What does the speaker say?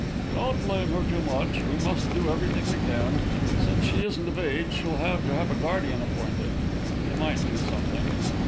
"Don't blame her too much we must do everything we can. Since she isn't of age, she'll have to have a guardian appointed. He might do something."